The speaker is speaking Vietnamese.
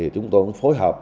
chúng tôi phối hợp